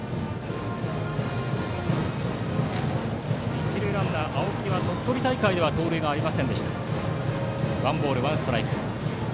一塁ランナー青木は鳥取大会では盗塁がありませんでした。